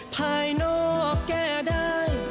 ภายนอกแก้ได้